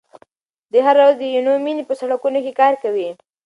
دی هره ورځ د عینومېنې په سړکونو کار کوي.